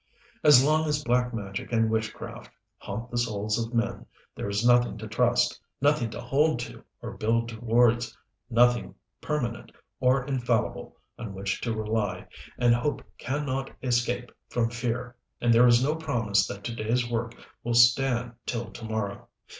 As long as black magic and witchcraft haunt the souls of men, there is nothing to trust, nothing to hold to or build towards, nothing permanent or infallible on which to rely, and hope can not escape from fear, and there is no promise that to day's work will stand till to morrow.